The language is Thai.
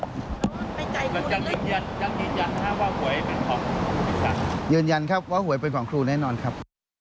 มันไม่ใจหัวเลยนะครับยืนยันครับว่าหวยเป็นของครูแน่นอนครับ